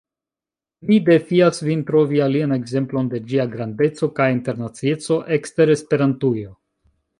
Mi defias vin trovi alian ekzemplon de ĝia grandeco kaj internacieco, ekster Esperantujo.